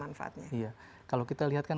manfaatnya iya kalau kita lihat kan